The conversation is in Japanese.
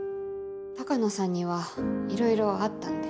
鷹野さんにはいろいろあったんで。